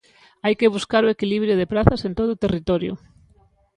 Hai que buscar o equilibrio de prazas en todo o territorio.